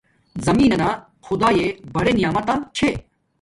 زمین نانا خداݵݵ بڑر نعمیتہ چھے